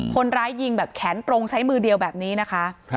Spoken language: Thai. คนร้ายยิงแบบแขนตรงใช้มือเดียวแบบนี้นะคะ